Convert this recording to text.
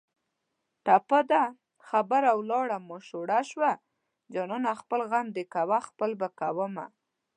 ټپه ده: خبره لاړه ماشوړه شوه جانانه خپل غم دې کوه خپل به کومه